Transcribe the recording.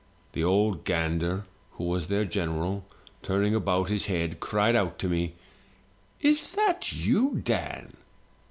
The ould gander, who was their general, turning about his head, cried out to me, *Is that you, Dan?'